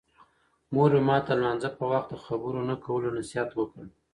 مور مې ماته د لمانځه په وخت د خبرو نه کولو نصیحت وکړ.